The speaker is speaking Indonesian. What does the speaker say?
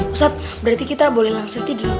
ustadz berarti kita boleh langsung tidur